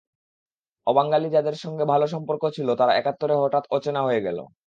অবাঙালি যাদের সঙ্গে ভালো সম্পর্ক ছিল, তারা একাত্তরে হঠাৎ অচেনা হয়ে গেল।